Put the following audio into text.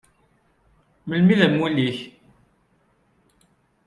Melmi i d amulli-ik?